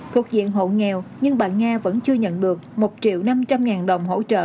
thuộc diện hộ nghèo nhưng bà nga vẫn chưa nhận được một triệu năm trăm linh ngàn đồng hỗ trợ